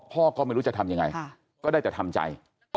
พ่อก็ไม่รู้จะทำยังไงก็ได้แต่ทำใจ